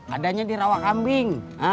adanya di rawakambing